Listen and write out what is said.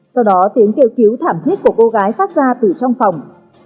sau đó tiếng kêu cứu thảm thiết của cô gái phát ra từ trong phòng